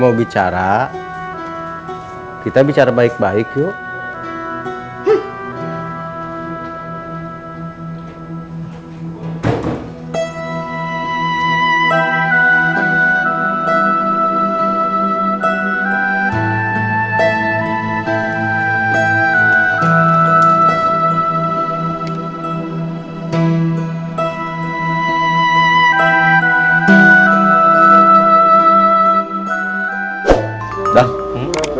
mang ocat kemana ya dari pagi saya belum lihat mang ocat